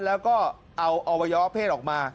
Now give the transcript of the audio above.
แล้วก็เอาอวัยวะเพศออกมา